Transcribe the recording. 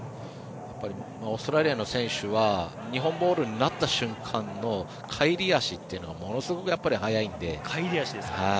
オーストラリアの選手は日本ボールになった瞬間の帰り足というのがものすごく速いので。